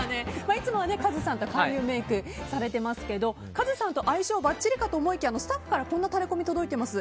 いつもはカズさんと開運メイクされてますけどカズさんと相性ばっちりかと思いきやスタッフからこんなタレコミ届いています。